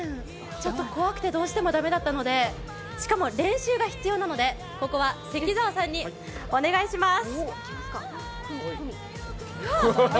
ちょっと怖くてどうしても駄目だったので、しかも練習が必要なので、ここは関沢さんにお願いします。